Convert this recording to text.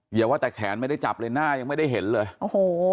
อย่าว่าแต่แขนไม่ได้จับเลยหน้ายังไม่ได้เห็นเลยโอ้โห